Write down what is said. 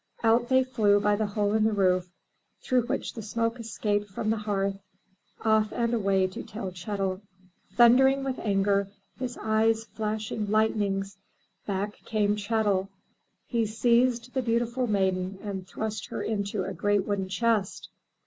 Out they flew by the hole in the roof, through which the smoke escaped from the hearth — off and away to tell Chet'l. Thundering with anger, his eyes flashing lightnings, back came Chet'l. He seized the beautiful maiden and thrust her into a great wooden chest.